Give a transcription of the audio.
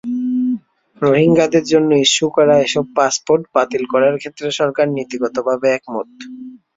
রোহিঙ্গাদের জন্য ইস্যু করা এসব পাসপোর্ট বাতিল করার ক্ষেত্রে সরকার নীতিগতভাবে একমত।